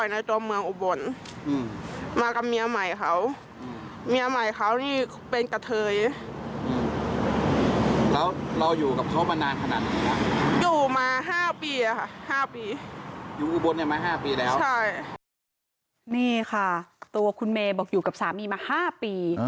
นี่ค่ะตัวคุณเมย์บอกอยู่กับสามีมา๕ปี